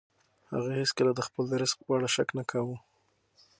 هغه هیڅکله د خپل رزق په اړه شک نه کاوه.